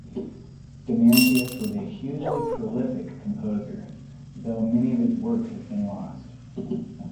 Demantius was a hugely prolific composer, though many of his works have been lost.